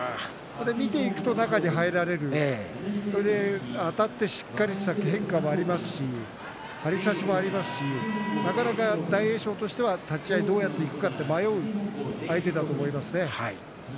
見ていくと中に入られるあたって、しっかり変化もありますし張り差しがありますしなかなか大栄翔としては立ち合いどうやっていくか迷う相手だと思いますね。